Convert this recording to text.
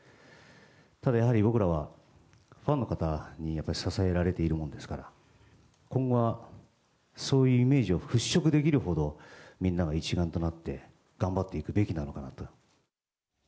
ただやはり僕らは、ファンの方にやっぱり支えられているもんですから、今後はそういうイメージを払拭できるほど、みんなが一丸となって頑張っていくべきなのかなと。